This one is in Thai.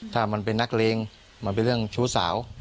ถ้ามันเป็นนักเลงมันเป็นเรื่องชู้สาว